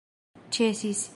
ĉesis